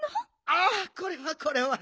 ああこれはこれは。